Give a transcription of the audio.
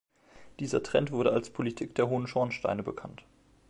Dieser Trend wurde als „Politik der hohen Schornsteine“ bekannt.